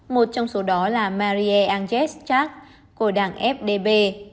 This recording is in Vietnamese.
một trong số đó là marie angèle schach của đảng fdp